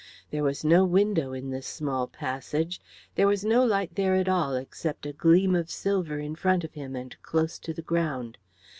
There was no window in this small passage, there was no light there at all except a gleam of silver in front of him and close to the ground.